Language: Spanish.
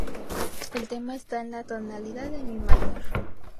El tema está en la tonalidad de mi mayor.